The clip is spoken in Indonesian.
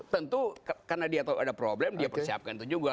tentu karena dia tahu ada problem dia persiapkan itu juga